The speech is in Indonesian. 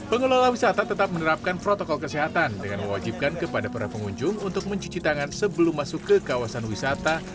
pengelola wisata tetap menerapkan protokol kesehatan dengan mewajibkan kepada para pengunjung untuk mencuci tangan sebelum masuk ke kawasan wisata